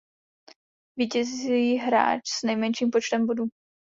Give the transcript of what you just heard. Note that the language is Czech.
Vítězí hráč s nejmenším počtem bodů.